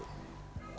dan di dalamnya